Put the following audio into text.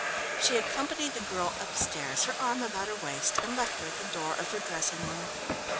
She accompanied the girl upstairs, her arm about her waist, and left her at the door of her dressing room.